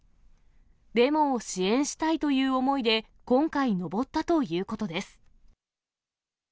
デモを支援したいという思いで、今回、登ったということです。